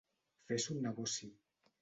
Fer son negoci.